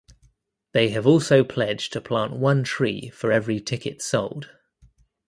They have also pledged to plant one tree for every ticket sold.